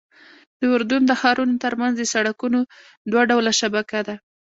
د اردن د ښارونو ترمنځ د سړکونو دوه ډوله شبکه ده.